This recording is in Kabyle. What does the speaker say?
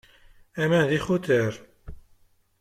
Aman d ixutar.